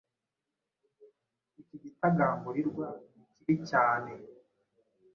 iki gitagangurirwa nikibi cyane